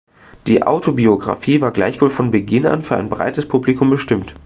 Die Autobiographie war gleichwohl von Beginn an für ein breiteres Publikum bestimmt.